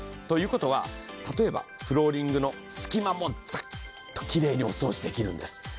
という事は例えばフローリングの隙間もザッときれいにお掃除できるんです。